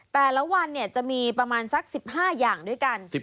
แต่ละวันจะมีประมาณสัก๑๕อย่างด้วยกัน